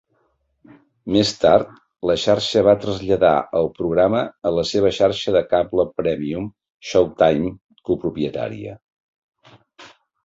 Més tard, la xarxa va traslladar el programa a la seva xarxa de cable prèmium Showtime copropietària.